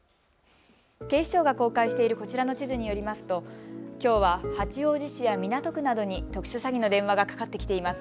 警視庁が公開しているこちらの地図によりますときょうは八王子市や港区などに特殊詐欺の電話がかかってきています。